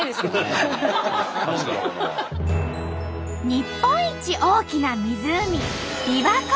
日本一大きな湖びわ湖。